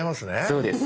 そうです